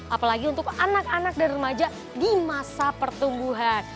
apalagi untuk anak anak dan remaja di masa pertumbuhan